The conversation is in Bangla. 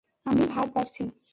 আমি ভাত বাড়ছি।